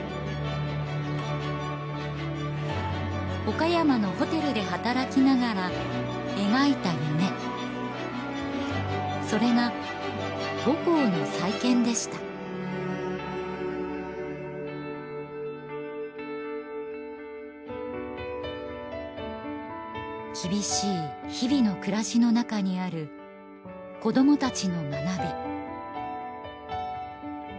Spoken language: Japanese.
岡山のホテルで働きながら描いた夢それが母校の再建でした厳しい日々の暮らしの中にある子どもたちの学び